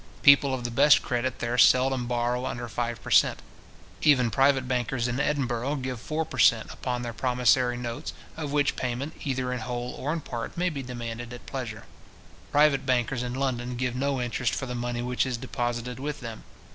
People of the best credit there seldom borrow under five per cent. Even private bankers in Edinburgh give four per cent. upon their promissory notes, of which payment, either in whole or in part may be demanded at pleasure. Private bankers in London give no interest for the money which is deposited with them.